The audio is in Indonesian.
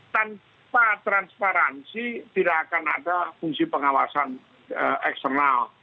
tanpa transparansi tidak akan ada fungsi pengawasan eksternal